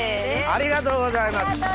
ありがとうございます。